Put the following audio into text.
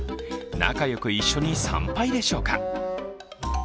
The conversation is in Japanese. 仲良く一緒に参拝でしょうか。